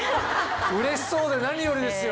うれしそうで何よりですよ。